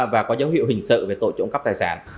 và có dấu hiệu hình sự về tội trộm cắp tài sản